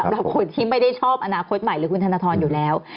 กับคนที่ไม่ได้ชอบอนาคตใหม่หรือคุณธนทรอยู่แล้ว